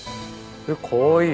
えっかわいい。